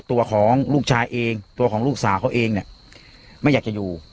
ตัวของลูกชายเองตัวของลูกสาวเขาเองเนี่ยไม่อยากจะอยู่